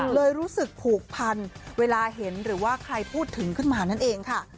รู้สึกผูกพันเวลาเห็นหรือว่าใครพูดถึงขึ้นมานั่นเองค่ะ